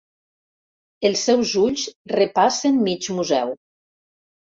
Els seus ulls repassen mig museu.